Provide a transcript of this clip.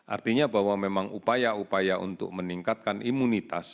artinya bahwa memang upaya upaya untuk meningkatkan imunitas